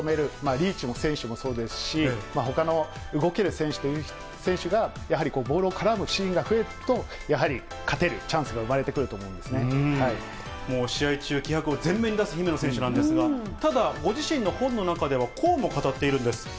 リーチ選手もそうですし、ほかの動ける選手がやはり、ボールの絡むシーンが増えると、やはり、勝てるチャンスが生まれ試合中、気迫を前面に出す姫野選手なんですが、ただ、ご自身の本の中では、こうも語っているんです。